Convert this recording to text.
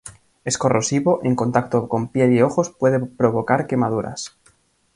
Es corrosivo, en contacto con piel y ojos puede provocar quemaduras.